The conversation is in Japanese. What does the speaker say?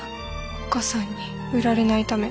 おっ母さんに売られないため。